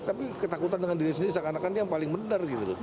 tapi ketakutan dengan diri sendiri seakan akan yang paling benar